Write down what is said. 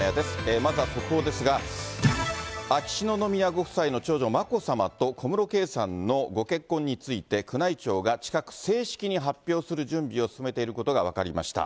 まずは速報ですが、秋篠宮ご夫妻の長女、眞子さまと小室圭さんのご結婚について、宮内庁が近く、正式に発表する準備を進めていることが分かりました。